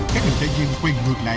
các người trai dân quay ngược lại